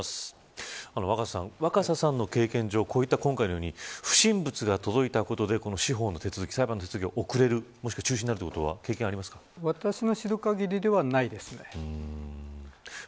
若狭さんの経験上今回のように不審物が届いたことで司法の手続き、裁判の手続きが遅れるもしくは中止になることは私の知る限りではないですね。